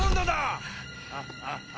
アハハハ！